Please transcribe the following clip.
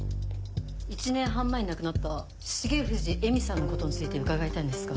１年半前に亡くなった重藤恵美さんのことについて伺いたいんですが。